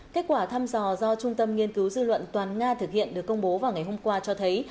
kết quả thăm dò do trung tâm nghiên cứu dư luận toàn nga thực hiện được công bố vào ngày hôm qua cho thấy